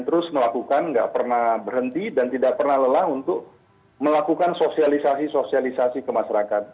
terus melakukan nggak pernah berhenti dan tidak pernah lelah untuk melakukan sosialisasi sosialisasi ke masyarakat